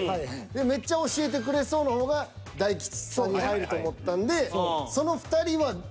めっちゃ教えてくれそうの方が大吉さんに入ると思ったんで。